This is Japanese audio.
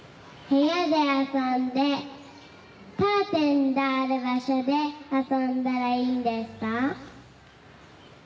部屋で遊んでカーテンがある場所で遊んだらいいんですか？